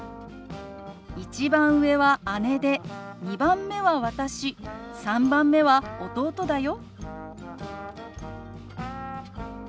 「１番上は姉で２番目は私３番目は弟だよ」。